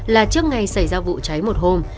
là trước ngày xảy ra vụ cháy một hôm